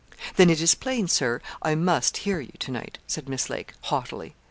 'Then it is plain, Sir, I must hear you to night,' said Miss Lake, haughtily.